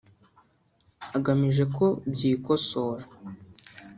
agamije ko byikosora